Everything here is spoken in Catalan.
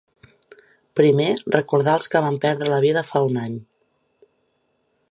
Primer, recordar els que van perdre la vida fa un any.